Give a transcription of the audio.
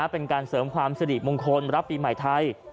เป็นการเสริมความสิริมงคลรับปีใหม่ไทย